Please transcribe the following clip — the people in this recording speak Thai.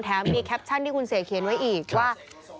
มีแคปชั่นที่คุณเสกเขียนไว้อีกว่า